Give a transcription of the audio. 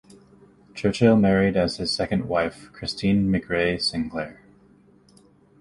Churchill married as his second wife Christine McRae Sinclair.